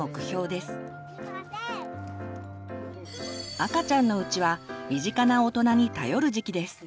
赤ちゃんのうちは身近な大人に頼る時期です。